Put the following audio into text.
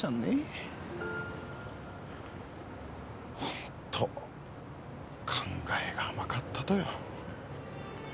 ホント考えが甘かったとよ。